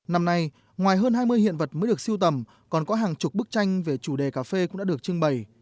năm nay ngoài hơn hai mươi hiện vật mới được siêu tầm còn có hàng chục bức tranh về chủ đề cà phê cũng đã được trưng bày